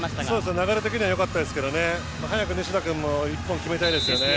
流れ的にはよかったですけど早く西田君も１本決めたいですよね。